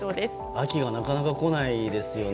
秋がなかなか来ないですよね。